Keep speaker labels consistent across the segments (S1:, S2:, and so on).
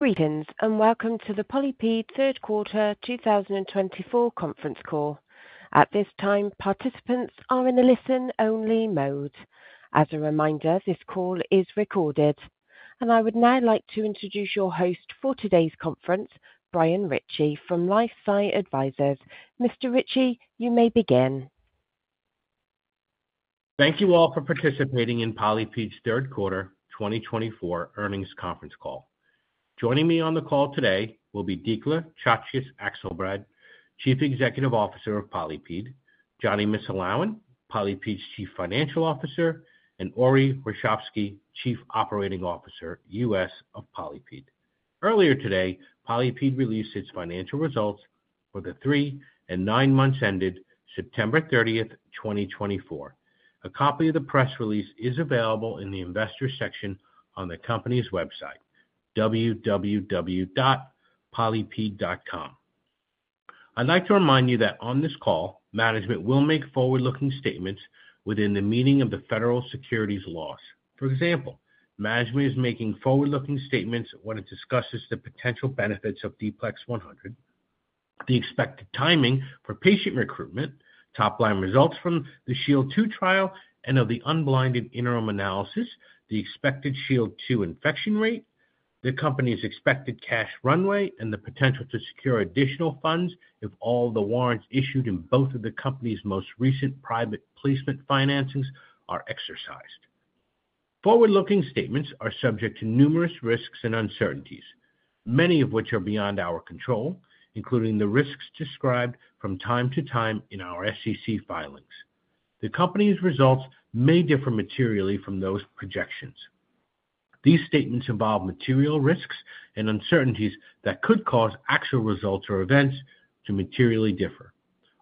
S1: Greetings and welcome to the PolyPid Q3 2024 conference call. At this time, participants are in a listen-only mode. As a reminder, this call is recorded, and I would now like to introduce your host for today's conference, Brian Ritchie from LifeSci Advisors. Mr. Ritchie, you may begin.
S2: Thank you all for participating in PolyPid Q3 2024 earnings conference call. Joining me on the call today will be Dikla Czaczkes Akselbrad, Chief Executive Officer of PolyPid, Jonny Missulawin, PolyPid's Chief Financial Officer, and Ori Warshavsky, Chief Operating Officer, U.S. of PolyPid. Earlier today, PolyPid released its financial results for the three and nine months ended September 30, 2024. A copy of the press release is available in the investor section on the company's website, www.polypid.com. I'd like to remind you that on this call, management will make forward-looking statements within the meaning of the federal securities laws. For example, management is making forward-looking statements when it discusses the potential benefits of D-PLEX 100, the expected timing for patient recruitment, top-line results from the SHIELD II trial, and of the unblinded interim analysis, the expected SHIELD II infection rate, the company's expected cash runway, and the potential to secure additional funds if all the warrants issued in both of the company's most recent private placement financings are exercised. Forward-looking statements are subject to numerous risks and uncertainties, many of which are beyond our control, including the risks described from time to time in our SEC filings. The company's results may differ materially from those projections. These statements involve material risks and uncertainties that could cause actual results or events to materially differ.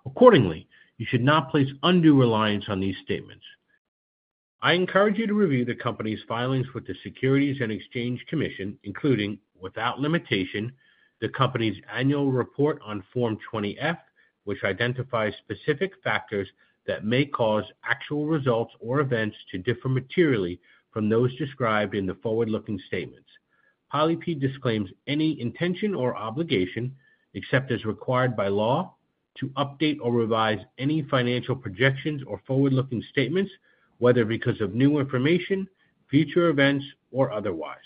S2: Accordingly, you should not place undue reliance on these statements. I encourage you to review the company's filings with the Securities and Exchange Commission, including, without limitation, the company's annual report on Form 20-F, which identifies specific factors that may cause actual results or events to differ materially from those described in the forward-looking statements. PolyPid disclaims any intention or obligation, except as required by law, to update or revise any financial projections or forward-looking statements, whether because of new information, future events, or otherwise.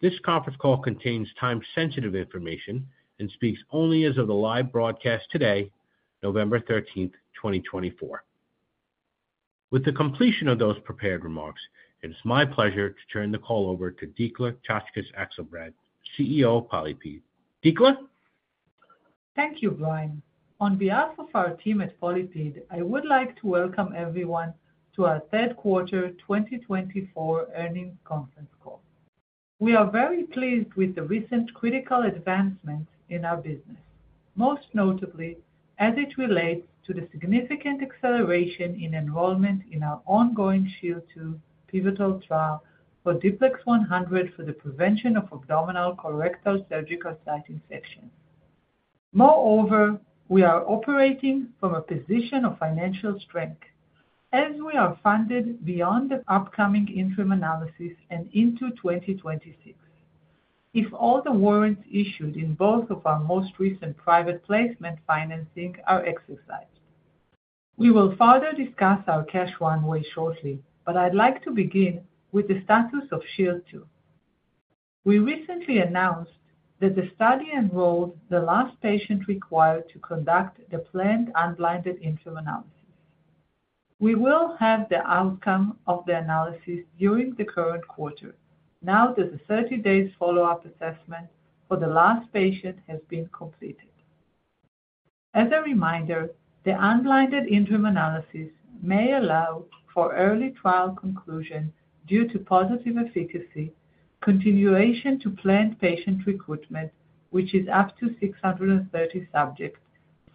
S2: This conference call contains time-sensitive information and speaks only as of the live broadcast today, November 13, 2024. With the completion of those prepared remarks, it is my pleasure to turn the call over to Dikla Czaczkes Akselbrad, CEO of PolyPid. Dikla?
S3: Thank you, Brian. On behalf of our team at PolyPid, I would like to welcome everyone to our Q3 2024 Earnings Conference Call. We are very pleased with the recent critical advancements in our business, most notably as it relates to the significant acceleration in enrollment in our ongoing SHIELD II pivotal trial for D-PLEX 100 for the prevention of abdominal colorectal surgical site infections. Moreover, we are operating from a position of financial strength as we are funded beyond the upcoming interim analysis and into 2026, if all the warrants issued in both of our most recent private placement financing are exercised. We will further discuss our cash runway shortly, but I'd like to begin with the status of SHIELD II. We recently announced that the study enrolled the last patient required to conduct the planned unblinded interim analysis. We will have the outcome of the analysis during the current quarter, now that the 30-day follow-up assessment for the last patient has been completed. As a reminder, the unblinded interim analysis may allow for early trial conclusion due to positive efficacy, continuation to planned patient recruitment, which is up to 630 subjects,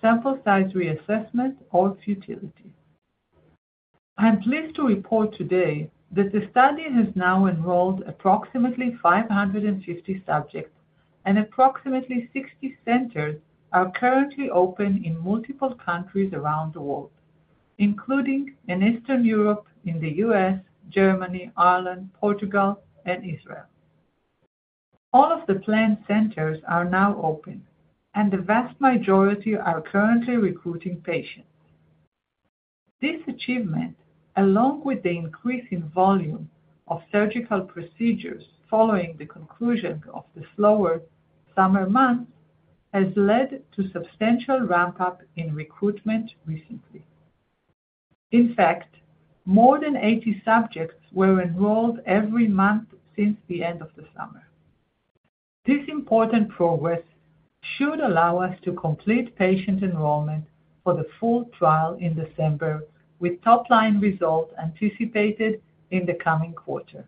S3: sample size reassessment, or futility. I'm pleased to report today that the study has now enrolled approximately 550 subjects, and approximately 60 centers are currently open in multiple countries around the world, including in Eastern Europe, in the U.S., Germany, Ireland, Portugal, and Israel. All of the planned centers are now open, and the vast majority are currently recruiting patients. This achievement, along with the increase in volume of surgical procedures following the conclusion of the slower summer months, has led to a substantial ramp-up in recruitment recently. In fact, more than 80 subjects were enrolled every month since the end of the summer. This important progress should allow us to complete patient enrollment for the full trial in December, with top-line results anticipated in the coming quarter.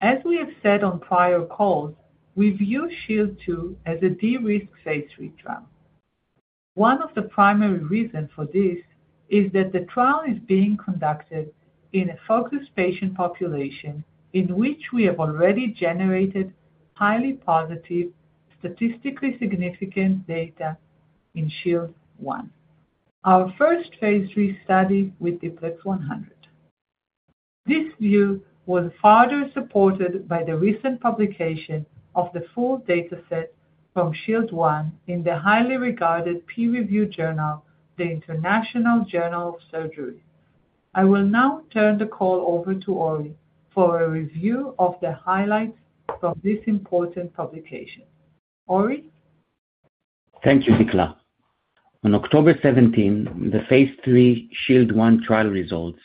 S3: As we have said on prior calls, we view SHIELD II as a de-risk phase III trial. One of the primary reasons for this is that the trial is being conducted in a focused patient population in which we have already generated highly positive, statistically significant data in SHIELD I, our first phase III study with D-PLEX 100. This view was further supported by the recent publication of the full dataset from SHIELD I in the highly regarded peer-reviewed journal, the International Journal of Surgery. I will now turn the call over to Ori for a review of the highlights from this important publication. Ori?
S4: Thank you, Dikla. On October 17, the phase III SHIELD I trial results,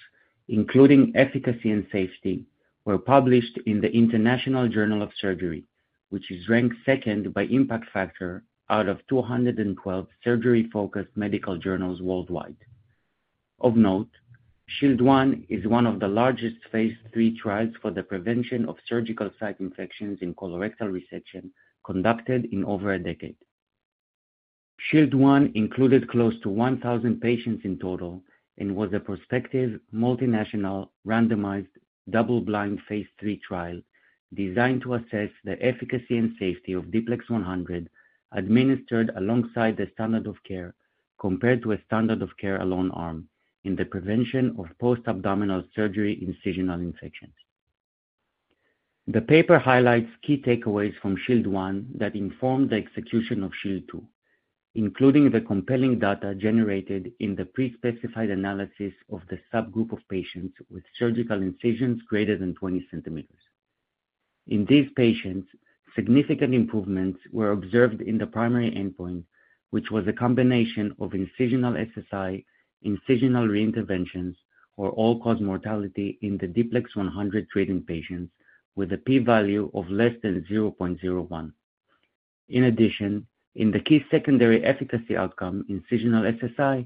S4: including efficacy and safety, were published in the International Journal of Surgery, which is ranked second by impact factor out of 212 surgery-focused medical journals worldwide. Of note, SHIELD I is one of the largest phase III trials for the prevention of surgical site infections in colorectal resection conducted in over a decade. SHIELD I included close to 1,000 patients in total and was a prospective multinational randomized double-blind phase III trial designed to assess the efficacy and safety of D-PLEX 100 administered alongside the standard of care compared to a standard of care alone arm in the prevention of post-abdominal surgery incisional infections. The paper highlights key takeaways from SHIELD I that inform the execution of SHIELD II, including the compelling data generated in the pre-specified analysis of the subgroup of patients with surgical incisions greater than 20 centimeters. In these patients, significant improvements were observed in the primary endpoint, which was a combination of incisional SSI, incisional reinterventions, or all-cause mortality in the D-PLEX 100-treated patients with a p-value of less than 0.01. In addition, in the key secondary efficacy outcome, incisional SSI,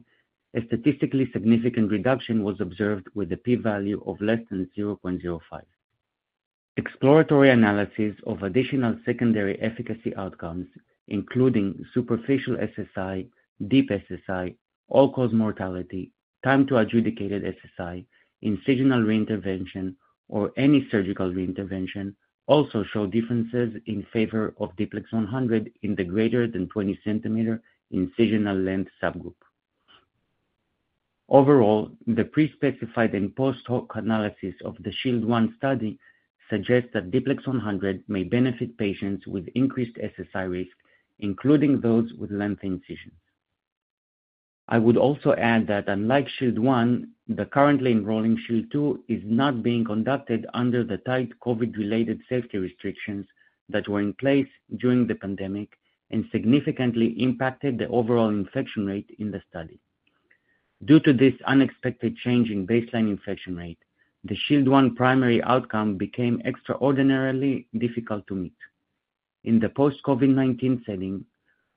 S4: a statistically significant reduction was observed with a p-value of less than 0.05. Exploratory analysis of additional secondary efficacy outcomes, including superficial SSI, deep SSI, all-cause mortality, time to adjudicated SSI, incisional reintervention, or any surgical reintervention, also showed differences in favor of D-PLEX 100 in the greater than 20-centimeter incisional length subgroup. Overall, the pre-specified and post-hoc analysis of the SHIELD I study suggests that D-PLEX 100 may benefit patients with increased SSI risk, including those with long incisions. I would also add that, unlike SHIELD I, the currently enrolling SHIELD II is not being conducted under the tight COVID-related safety restrictions that were in place during the pandemic and significantly impacted the overall infection rate in the study. Due to this unexpected change in baseline infection rate, the SHIELD I primary outcome became extraordinarily difficult to meet. In the post-COVID-19 setting,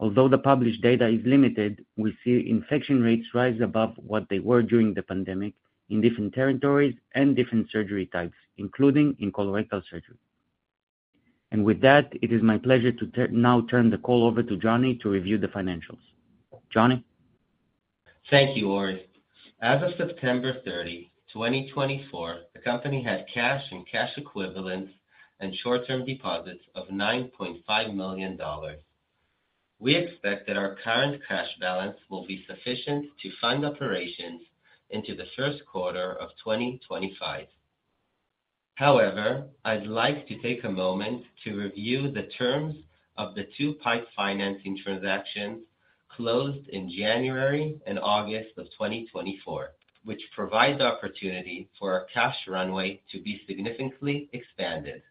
S4: although the published data is limited, we see infection rates rise above what they were during the pandemic in different territories and different surgery types, including in colorectal surgery. And with that, it is my pleasure to now turn the call over to Jonny to review the financials. Jonny?
S5: Thank you, Ori. As of September 30, 2024, the company had cash and cash equivalents and short-term deposits of $9.5 million. We expect that our current cash balance will be sufficient to fund operations into the Q1 of 2025. However, I'd like to take a moment to review the terms of the two PIPE financing transactions closed in January and August of 2024, which provide the opportunity for our cash runway to be significantly expanded.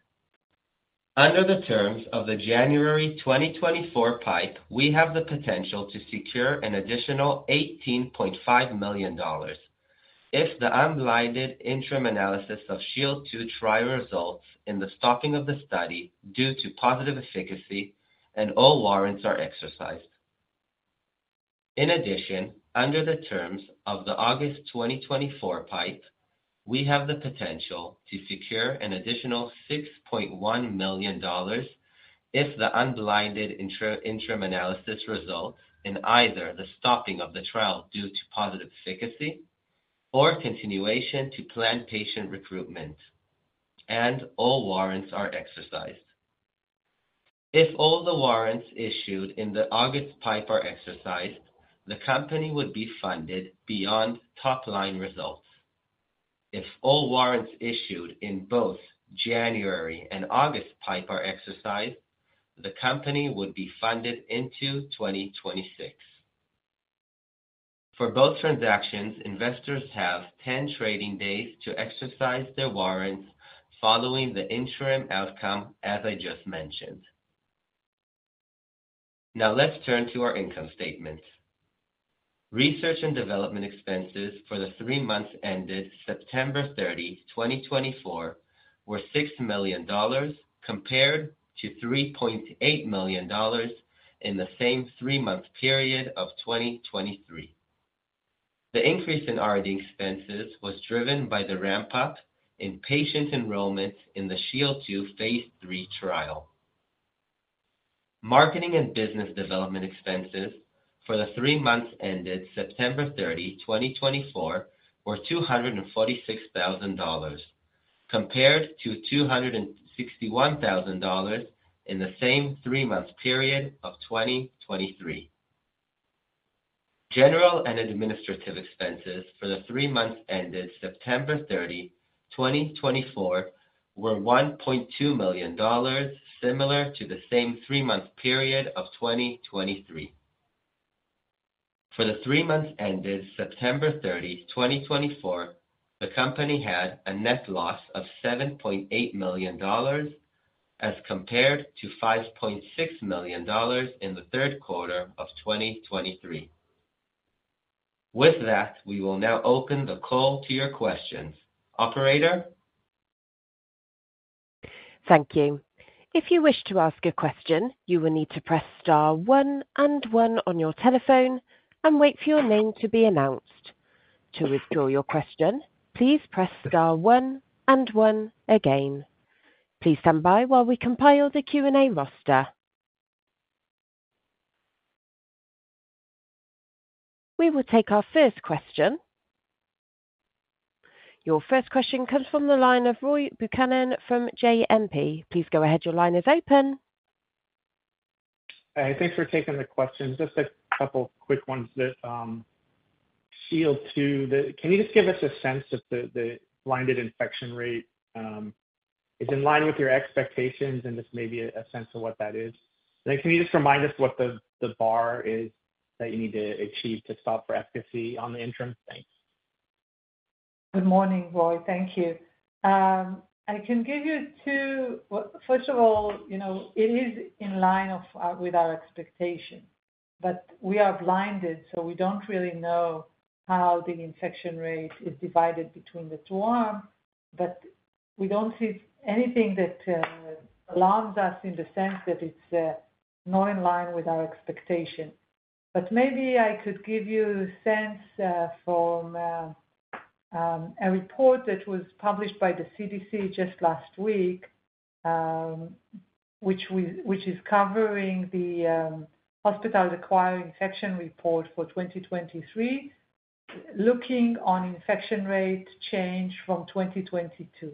S5: Under the terms of the January 2024 PIPE, we have the potential to secure an additional $18.5 million if the unblinded interim analysis of SHIELD II trial results in the stopping of the study due to positive efficacy and all warrants are exercised. In addition, under the terms of the August 2024 PIPE, we have the potential to secure an additional $6.1 million if the unblinded interim analysis results in either the stopping of the trial due to positive efficacy or continuation to planned patient recruitment, and all warrants are exercised. If all the warrants issued in the August PIPE are exercised, the company would be funded beyond top-line results. If all warrants issued in both January and August PIPE are exercised, the company would be funded into 2026. For both transactions, investors have 10 trading days to exercise their warrants following the interim outcome, as I just mentioned. Now, let's turn to our income statements. Research and development expenses for the three months ended September 30, 2024, were $6 million compared to $3.8 million in the same three-month period of 2023. The increase in R&D expenses was driven by the ramp-up in patient enrollment in the SHIELD II phase III trial. Marketing and business development expenses for the three months ended September 30, 2024, were $246,000 compared to $261,000 in the same three-month period of 2023. General and administrative expenses for the three months ended September 30, 2024, were $1.2 million, similar to the same three-month period of 2023. For the three months ended September 30, 2024, the company had a net loss of $7.8 million as compared to $5.6 million in the Q3 of 2023. With that, we will now open the call to your questions. Operator?
S1: Thank you. If you wish to ask a question, you will need to press star one and one on your telephone and wait for your name to be announced. To withdraw your question, please press star one and one again. Please stand by while we compile the Q&A roster. We will take our first question. Your first question comes from the line of Roy Buchanan from JMP. Please go ahead. Your line is open.
S6: Hey, thanks for taking the question. Just a couple of quick ones that SHIELD II, can you just give us a sense if the blinded infection rate is in line with your expectations and just maybe a sense of what that is? And then can you just remind us what the bar is that you need to achieve to stop for efficacy on the interim? Thanks.
S3: Good morning, Roy. Thank you. I can give you two first of all. It is in line with our expectation, but we are blinded, so we don't really know how the infection rate is divided between the two arms, but we don't see anything that alarms us in the sense that it's not in line with our expectation. But maybe I could give you a sense from a report that was published by the CDC just last week, which is covering the hospital-acquired infection report for 2023, looking on infection rate change from 2022.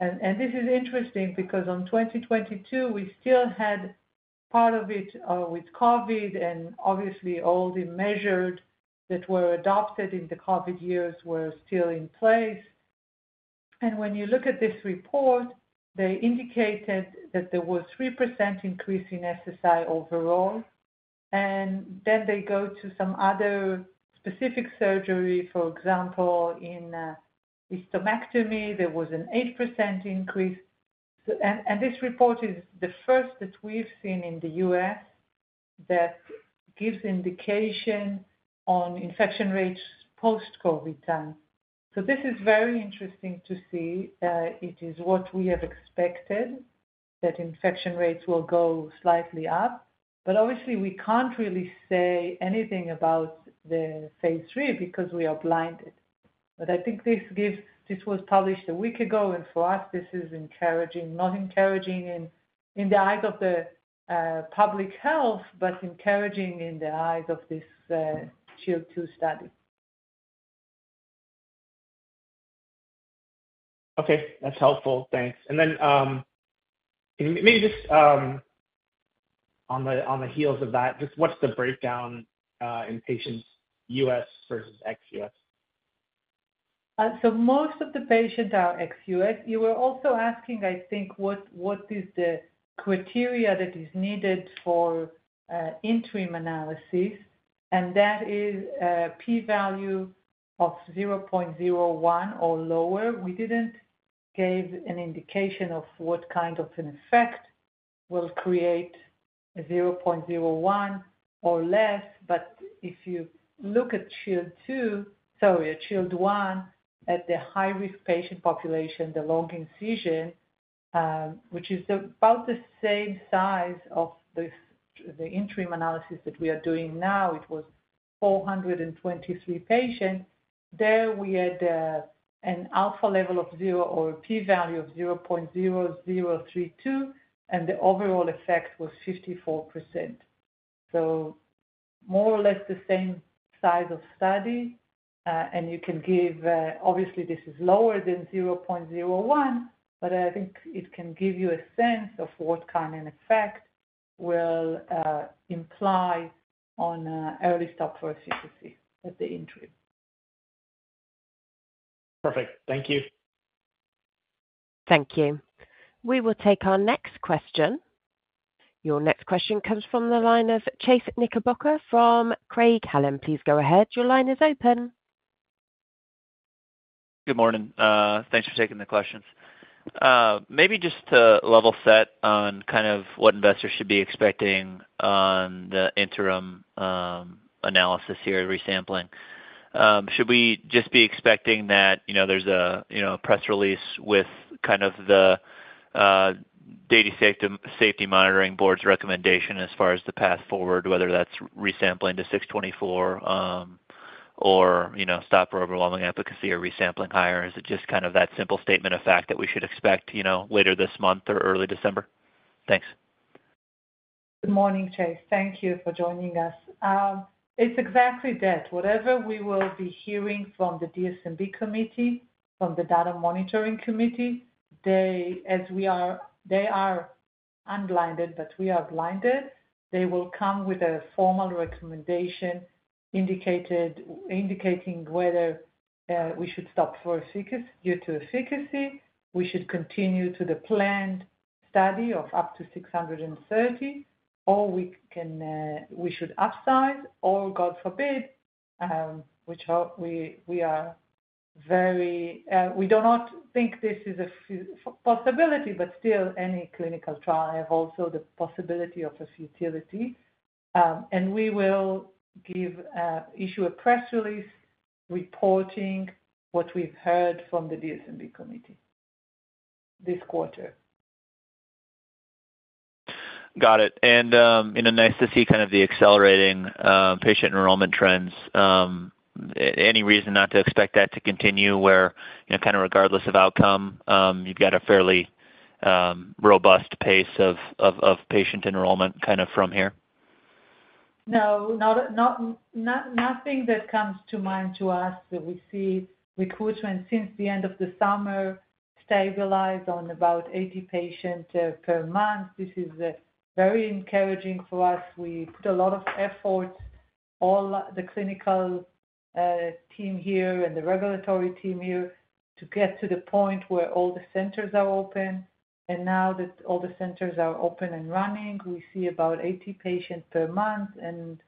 S3: And this is interesting because in 2022, we still had part of it with COVID, and obviously, all the measures that were adopted in the COVID years were still in place. And when you look at this report, they indicated that there was a 3% increase in SSI overall. And then they go to some other specific surgery. For example, in the hysterectomy, there was an 8% increase. And this report is the first that we've seen in the U.S. that gives indication on infection rates post-COVID time. So this is very interesting to see. It is what we have expected that infection rates will go slightly up. But obviously, we can't really say anything about the phase III because we are blinded. But I think this was published a week ago, and for us, this is encouraging, not encouraging in the eyes of the public health, but encouraging in the eyes of this SHIELD II study.
S6: Okay. That's helpful. Thanks. And then maybe just on the heels of that, just what's the breakdown in patients U.S. versus ex-U.S.?
S3: Most of the patients are ex-U.S. You were also asking, I think, what is the criteria that is needed for interim analysis, and that is a p-value of 0.01 or lower. We didn't give an indication of what kind of an effect will create a 0.01 or less. But if you look at SHIELD II, sorry, at SHIELD I at the high-risk patient population, the long incision, which is about the same size of the interim analysis that we are doing now, it was 423 patients. There we had an alpha level of 0 or a p-value of 0.0032, and the overall effect was 54%. More or less the same size of study. And you can give obviously, this is lower than 0.01, but I think it can give you a sense of what kind of effect will imply on early stop for efficacy at the interim.
S6: Perfect. Thank you.
S1: Thank you. We will take our next question. Your next question comes from the line of Chase Knickerbocker from Craig-Hallum. Please go ahead. Your line is open.
S7: Good morning. Thanks for taking the questions. Maybe just to level set on kind of what investors should be expecting on the interim analysis here, resampling. Should we just be expecting that there's a press release with kind of the Data Safety Monitoring Board's recommendation as far as the path forward, whether that's resampling to 624 or stop for overwhelming efficacy or resampling higher? Is it just kind of that simple statement of fact that we should expect later this month or early December? Thanks.
S3: Good morning, Chase. Thank you for joining us. It's exactly that. Whatever we will be hearing from the DSMB Committee, from the Data Monitoring Committee, as we are unblinded, but we are blinded, they will come with a formal recommendation indicating whether we should stop for due to efficacy, we should continue to the planned study of up to 630, or we should upsize, or God forbid, which we are very we do not think this is a possibility, but still, any clinical trial have also the possibility of a futility. And we will issue a press release reporting what we've heard from the DSMB Committee this quarter.
S7: Got it and nice to see kind of the accelerating patient enrollment trends. Any reason not to expect that to continue where kind of regardless of outcome, you've got a fairly robust pace of patient enrollment kind of from here?
S3: No, nothing that comes to mind to us. We see recruitment since the end of the summer stabilize on about 80 patients per month. This is very encouraging for us. We put a lot of effort, all the clinical team here and the regulatory team here, to get to the point where all the centers are open, and now that all the centers are open and running, we see about 80 patients per month, and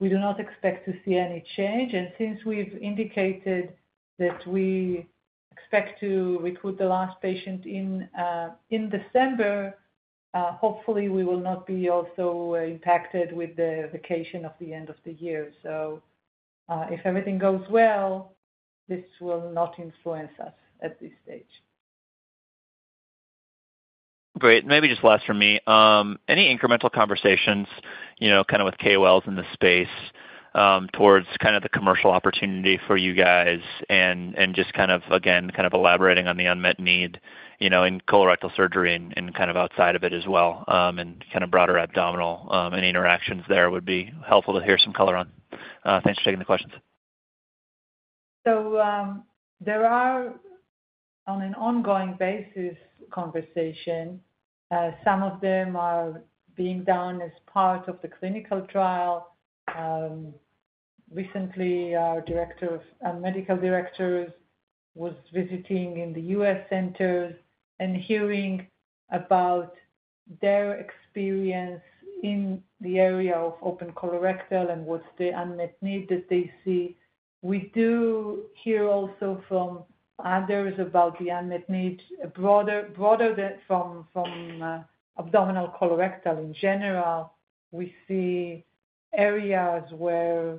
S3: we do not expect to see any change, and since we've indicated that we expect to recruit the last patient in December, hopefully, we will not be also impacted with the vacation of the end of the year, so if everything goes well, this will not influence us at this stage.
S7: Great. Maybe just last for me, any incremental conversations kind of with KOLs in the space towards kind of the commercial opportunity for you guys and just kind of, again, kind of elaborating on the unmet need in colorectal surgery and kind of outside of it as well and kind of broader abdominal and interactions there would be helpful to hear some color on. Thanks for taking the questions.
S3: So there are, on an ongoing basis, conversations. Some of them are being done as part of the clinical trial. Recently, our medical directors was visiting in the U.S. centers and hearing about their experience in the area of open colorectal and what's the unmet need that they see. We do hear also from others about the unmet need broader than from abdominal colorectal in general. We see areas where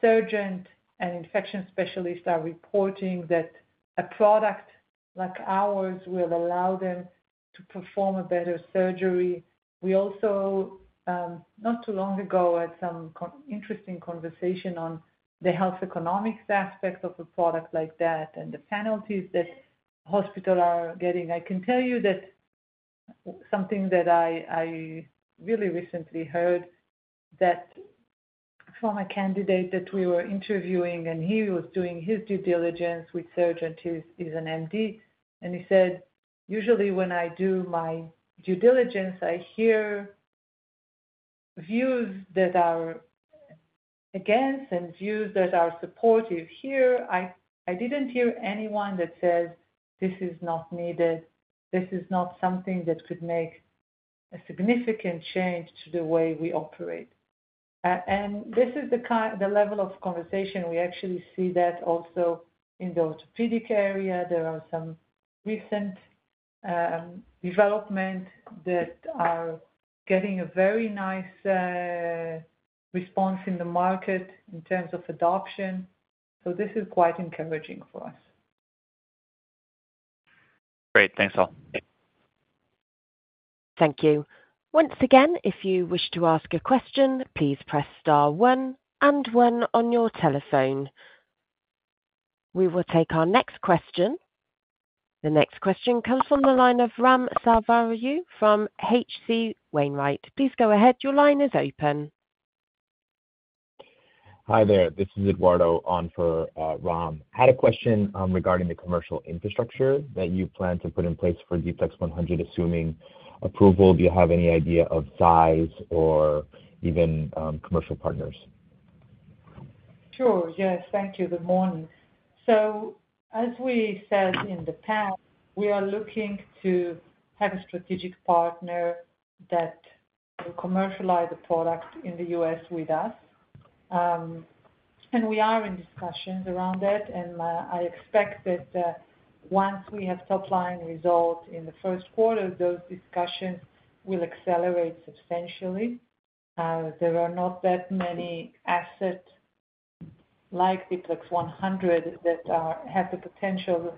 S3: surgeons and infection specialists are reporting that a product like ours will allow them to perform a better surgery. We also, not too long ago, had some interesting conversation on the health economics aspect of a product like that and the penalties that hospitals are getting. I can tell you that something that I really recently heard that from a candidate that we were interviewing, and he was doing his due diligence with surgeons. He's an MD, and he said, "Usually, when I do my due diligence, I hear views that are against and views that are supportive. Here, I didn't hear anyone that says, 'This is not needed. This is not something that could make a significant change to the way we operate.'" And this is the level of conversation. We actually see that also in the orthopedic area. There are some recent developments that are getting a very nice response in the market in terms of adoption. So this is quite encouraging for us.
S7: Great. Thanks, all.
S1: Thank you. Once again, if you wish to ask a question, please press star one and one on your telephone. We will take our next question. The next question comes from the line of Ram Selvaraju from H.C. Wainwright. Please go ahead. Your line is open. Hi there. This is Eduardo on for Ram. I had a question regarding the commercial infrastructure that you plan to put in place for D-PLEX 100, assuming approval. Do you have any idea of size or even commercial partners?
S3: Sure. Yes. Thank you. Good morning. So as we said in the past, we are looking to have a strategic partner that will commercialize a product in the U.S. with us. And we are in discussions around that. And I expect that once we have top-line results in the Q1, those discussions will accelerate substantially. There are not that many assets like D-PLEX 100 that have the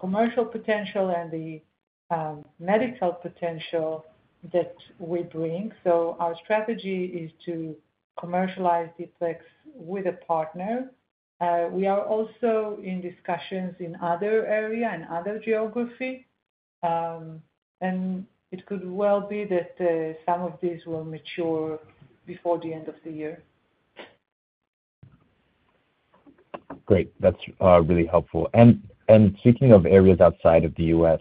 S3: commercial potential and the medical potential that we bring. So our strategy is to commercialize DPLEX with a partner. We are also in discussions in other areas and other geographies. And it could well be that some of these will mature before the end of the year. Great. That's really helpful. And speaking of areas outside of the U.S.,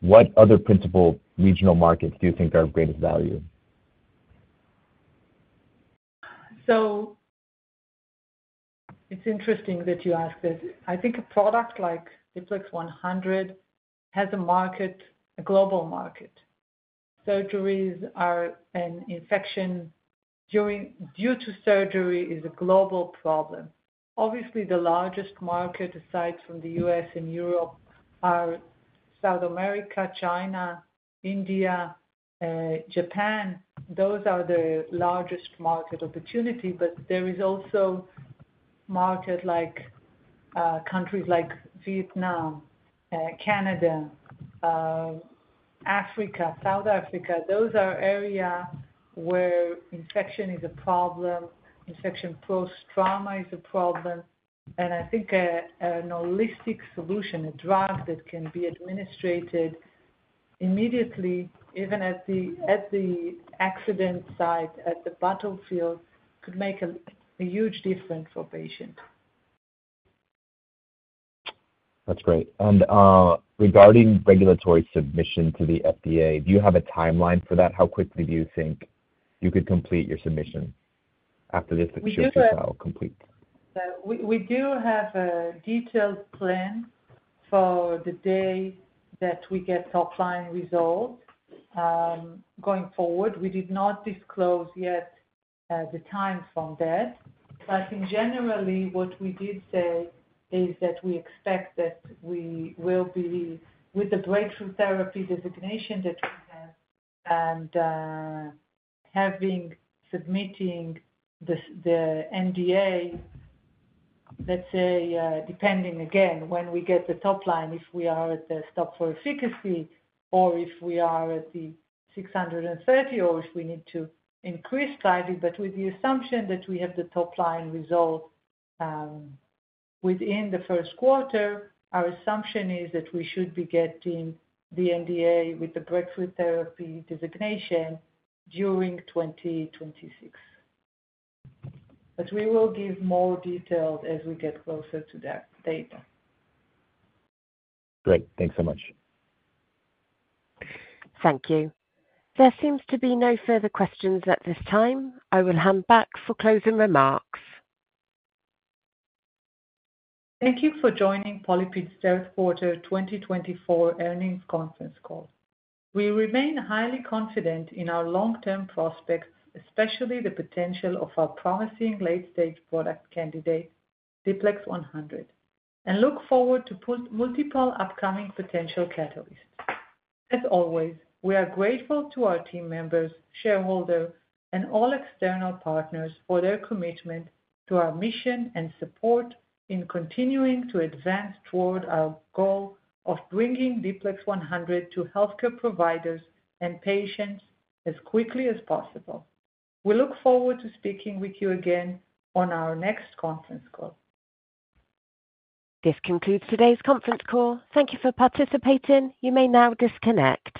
S3: what other principal regional markets do you think are of greatest value? It's interesting that you ask this. I think a product like D-PLEX 100 has a global market. Surgeries and infection due to surgery is a global problem. Obviously, the largest market, aside from the U.S. and Europe, are South America, China, India, Japan. Those are the largest market opportunity. But there is also markets like countries like Vietnam, Canada, Africa, South Africa. Those are areas where infection is a problem. Infection post-trauma is a problem. And I think a holistic solution, a drug that can be administered immediately, even at the accident site, at the battlefield, could make a huge difference for patients. That's great. Regarding regulatory submission to the FDA, do you have a timeline for that? How quickly do you think you could complete your submission after this executive file completes? We do have a detailed plan for the day that we get top-line results going forward. We did not disclose yet the timeline from that. But generally, what we did say is that we expect that we will be with the breakthrough therapy designation that we have and having submitted the NDA, let's say, depending again when we get the top-line, if we are at the stop for efficacy or if we are at the 630 or if we need to increase slightly. But with the assumption that we have the top-line result within the Q1, our assumption is that we should be submitting the NDA with the breakthrough therapy designation during 2026. But we will give more details as we get closer to that data. Great. Thanks so much.
S1: Thank you. There seems to be no further questions at this time. I will hand back for closing remarks.
S3: Thank you for joining PolyPid's Q3 2024 Earnings Conference Call. We remain highly confident in our long-term prospects, especially the potential of our promising late-stage product candidate, D-PLEX 100, and look forward to multiple upcoming potential catalysts. As always, we are grateful to our team members, shareholders, and all external partners for their commitment to our mission and support in continuing to advance toward our goal of bringing D-PLEX 100 to healthcare providers and patients as quickly as possible. We look forward to speaking with you again on our next conference call.
S1: This concludes today's conference call. Thank you for participating. You may now disconnect.